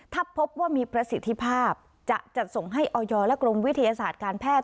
ถ้าพบว่ามีประสิทธิภาพจะจัดส่งให้ออยและกรมวิทยาศาสตร์การแพทย์